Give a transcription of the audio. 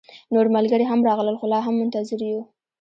نور ملګري هم راغلل، خو لا هم منتظر يو